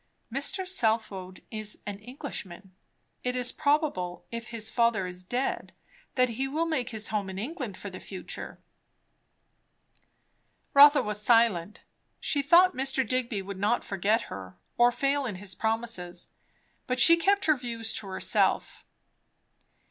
"Mr. Southwode is an Englishman. It is probable, if his father is dead, that he will make his home in England for the future." Rotha was silent. She thought Mr. Digby would not forget her, or fail in his promises; but she kept her views to herself.